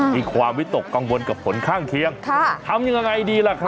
มีความวิตกกังวลกับผลข้างเคียงทำยังไงดีล่ะครับ